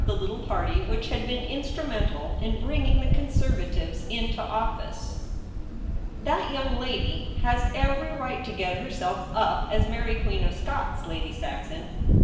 the little party which had been instrumental in bringing the Conservatives into office. ' That young lady has every right to get herself up as Mary Queen of Scots, Lady Saxon.